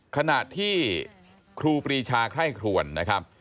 ขณะที่ครูปรีชาไคร่ครวนนะครับ